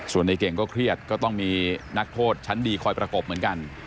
ส่วนในเก่งก็เครียดก็ต้องมีนักโทษชั้นดีคอยประกบเหมือนกัน